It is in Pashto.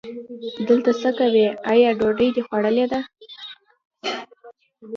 دلته څه کوې، آیا ډوډۍ دې خوړلې ده؟